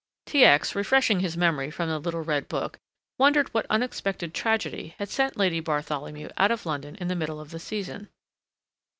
T. X., refreshing his memory from the little red book, wondered what unexpected tragedy had sent Lady Bartholomew out of London in the middle of the season.